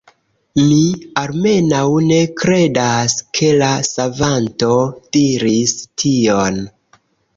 Mi, almenaŭ ne kredas ke la Savanto diris tion.